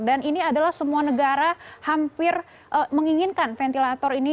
dan ini adalah semua negara hampir menginginkan ventilator ini